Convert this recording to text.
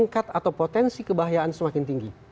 ketika potensi kebahayaan semakin tinggi